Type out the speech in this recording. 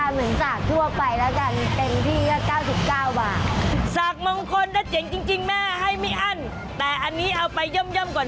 ให้ราคาเหมือนสากทั่วไปแล้วกัน